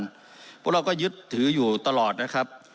เพราะเราก็ยึดถืออยู่ตลอดนะครับ